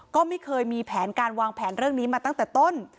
ก็ไม่เคยมีแผนการวางแผนเรื่องนี้มาตั้งแต่ต้น